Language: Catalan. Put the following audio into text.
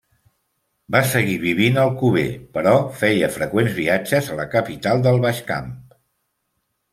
Va seguir vivint a Alcover, però feia freqüents viatges a la capital del Baix Camp.